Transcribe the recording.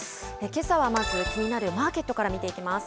けさはまず、気になるマーケットから見ていきます。